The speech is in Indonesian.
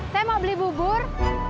saya mau beli bubur